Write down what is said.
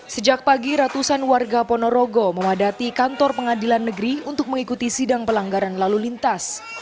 sejak pagi ratusan warga ponorogo memadati kantor pengadilan negeri untuk mengikuti sidang pelanggaran lalu lintas